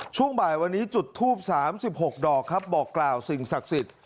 ช่วงบ่ายวันนี้จุดทูป๓๖ดอกครับบอกกล่าวสิ่งศักดิ์สิทธิ์